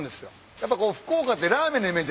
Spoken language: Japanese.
やっぱこう福岡ってラーメンのイメージ。